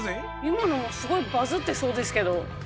今のもすごいバズってそうですけど。